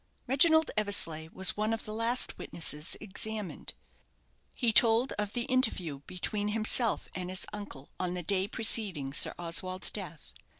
Reginald Eversleigh was one of the last witnesses examined. He told of the interview between himself and his uncle, on the day preceding Sir Oswald's death.